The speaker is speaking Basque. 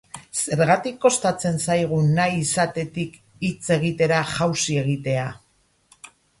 Zergatik kostatzen zaigu nahi izatetik hitz egitera jauzi egitea?